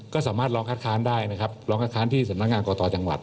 ก็สามารถลองคัดค้านได้นะครับร้องคัดค้านที่สำนักงานกตจังหวัด